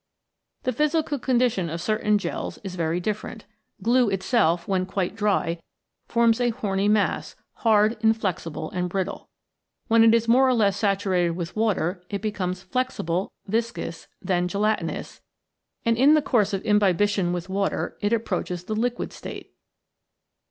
The physical condition of certain gels is very different. Glue itself, when quite dry, forms a 4 8 THE PROTOPLASMATIC MEMBRANE horny mass, hard, inflexible, and brittle. When it is more or less saturated with water, it becomes flexible, viscous, then gelatinous, and in the course of imbibition with water it approaches the liquid state.